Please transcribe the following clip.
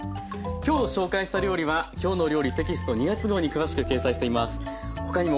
今日紹介した料理は「きょうの料理」テキスト２月号に詳しく掲載しています。